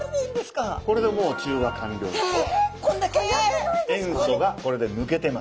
これでもう塩素がこれで抜けてます。